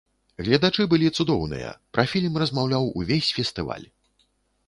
Гледачы былі цудоўныя, пра фільм размаўляў увесь фестываль.